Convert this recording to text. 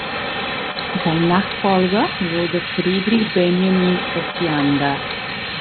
Sein Nachfolger wurde Friedrich Benjamin Osiander.